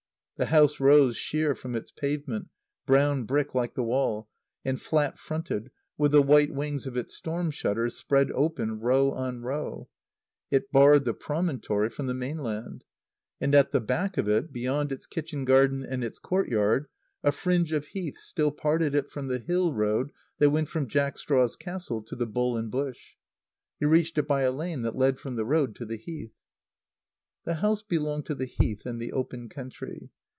The house rose sheer from its pavement, brown brick like the wall, and flat fronted, with the white wings of its storm shutters spread open, row on row. It barred the promontory from the mainland. And at the back of it, beyond its kitchen garden and its courtyard, a fringe of Heath still parted it from the hill road that went from "Jack Straw's Castle" to "The Bull and Bush." You reached it by a lane that led from the road to the Heath. The house belonged to the Heath and the open country.